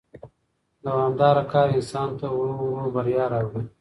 دوامدار کار انسان ته ورو ورو بریا راوړي